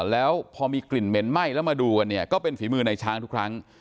แล้วพอมีกลิ่นเหม็นไหม้แล้วมาดูกันเนี่ยก็เป็นฝีมือในช้างทุกครั้ง